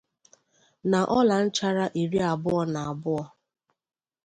na ọlanchara iri abụọ na abụọ